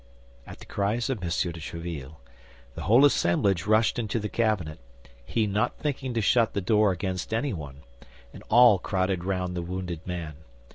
At the cries of M. de Tréville, the whole assemblage rushed into the cabinet, he not thinking to shut the door against anyone, and all crowded round the wounded man.